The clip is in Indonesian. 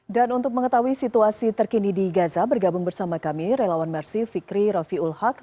dan untuk mengetahui situasi terkini di gaza bergabung bersama kami relawan mercy fikri raffiul haq